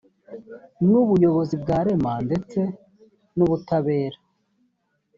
n ubuyobozi bwa rema ndetse n ubutabera